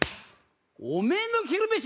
おめえの昼飯